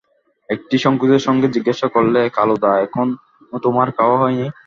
একটু সংকোচের সঙ্গে জিজ্ঞাসা করলে, কালুদা, এখনো তোমার খাওয়া হয় নি?